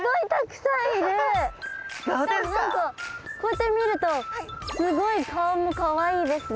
でも何かこうやって見るとすごい顔もかわいいですね。